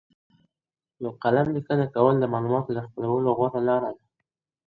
په قلم لیکنه کول د معلوماتو د خپلولو غوره لاره ده.